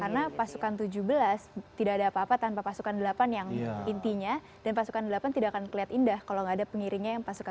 karena pasukan tujuh belas tidak ada apa apa tanpa pasukan delapan yang intinya dan pasukan delapan tidak akan kelihatan indah kalau nggak ada pengiringnya yang pasukan